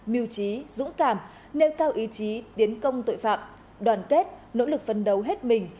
mưu trí dũng cảm nêu cao ý chí tiến công tội phạm đoàn kết nỗ lực phân đấu hết mình